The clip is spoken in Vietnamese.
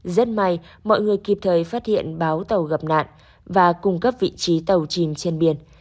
rất may mọi người kịp thời phát hiện báo tàu gặp nạn và cung cấp vị trí tàu chìm trên biển